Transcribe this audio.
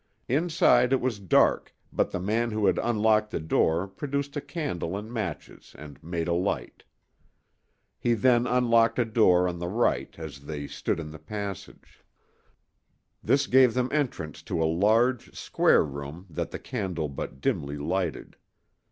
Inside it was dark, but the man who had unlocked the door produced a candle and matches and made a light. He then unlocked a door on their right as they stood in the passage. This gave them entrance to a large, square room that the candle but dimly lighted.